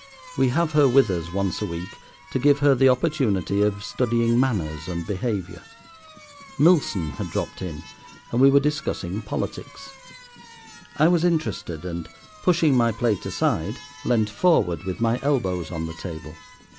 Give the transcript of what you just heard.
We have her with us once a week to give her the opportunity of studying manners and behaviour. Milson had dropped in, and we were discussing politics. I was interested, and, pushing my plate aside, leant forward with my elbows on the table.